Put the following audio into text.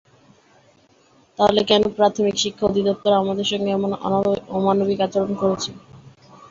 তাহলে কেন প্রাথমিক শিক্ষা অধিদপ্তর আমাদের সঙ্গে এমন অমানবিক আচরণ করছে।